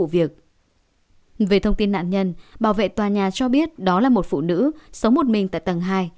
về thông tin nạn nhân bảo vệ tòa nhà cho biết đó là một phụ nữ sống một mình tại tầng hai